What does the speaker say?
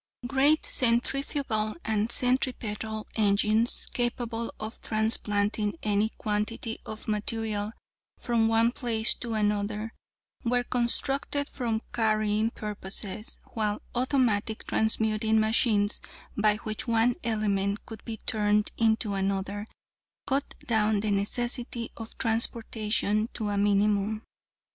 "Great centrifugal and centripetal engines, capable of transplanting any quantity of material from one place to another, were constructed for carrying purposes, while automatic transmuting machines, by which one element could be turned into another, cut down the necessity of transportation to a minimum.